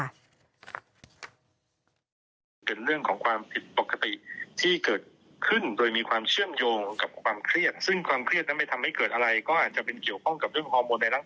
ก็คือเป็นเรื่องของในเด็กซึ่งในเด็กเนี่ยเรื่องของเส้นเลือดก็ยังไม่ได้แข็งแรงอะไรมาก